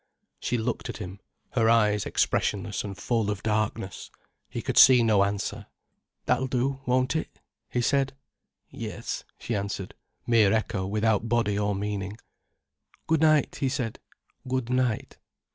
She looked at him, her eyes expressionless and full of darkness. He could see no answer. "That'll do, won't it?" he said. "Yes," she answered, mere echo without body or meaning. "Good night," he said. "Good night."